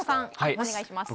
お願いします。